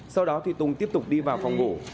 sau đó thì tùng tiếp tục đi vào phòng ngủ